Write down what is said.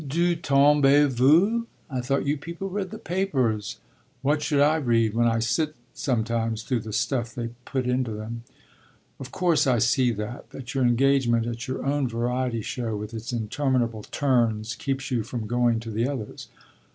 "D'où tombez vous? I thought you people read the papers." "What should I read, when I sit sometimes through the stuff they put into them?" "Of course I see that that your engagement at your own variety show, with its interminable 'turns,' keeps you from going to the others.